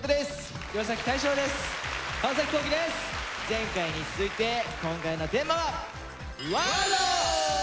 前回に続いて今回のテーマは。